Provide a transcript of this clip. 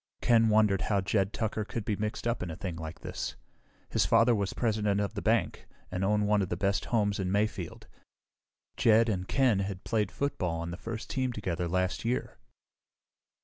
Ken wondered how Jed Tucker could be mixed up in a thing like this. His father was president of the bank and owned one of the best homes in Mayfield. Jed and Ken had played football on the first team together last year.